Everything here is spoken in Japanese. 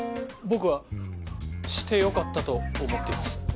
僕はしてよかったと思っています。